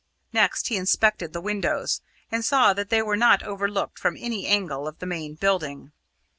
Next, he inspected the windows, and saw that they were not overlooked from any angle of the main building.